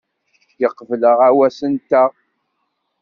Yeqbel aɣawas-nteɣ.